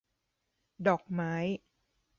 ดอกไม้